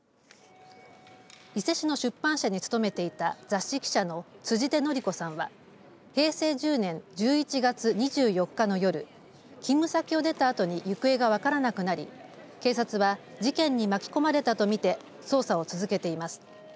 伊勢市の出版社に勤めていた雑誌記者の辻出紀子さんは平成１０年１１月２４日の夜勤務先を出たあとに行方が分からなくなり警察は事件に巻き込まれたとみて捜査を続けています。